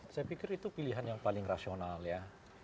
saya pikir itu pilihan yang paling rasional ya